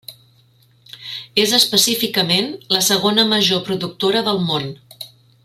És específicament la segona major productora del món.